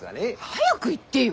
早く言ってよ！